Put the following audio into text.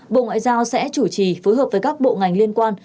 bộ ngoại giao sẽ chủ trì phối hợp với các bộ ngành liên quan